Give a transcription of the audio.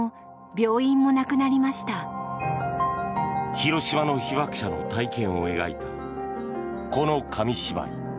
広島の被爆者の体験を描いたこの紙芝居。